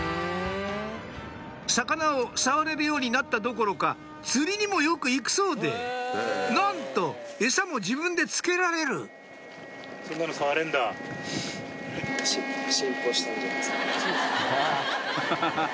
魚を触れるようになったどころか釣りにもよく行くそうでなんとエサも自分で付けられるハハハ。